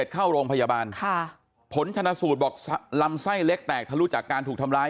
เข้าโรงพยาบาลค่ะผลชนะสูตรบอกลำไส้เล็กแตกทะลุจากการถูกทำร้าย